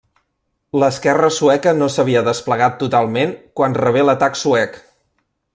L'esquerra sueca no s'havia desplegat totalment quan rebé l'atac suec.